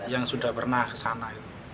yang sudah pernah ke sana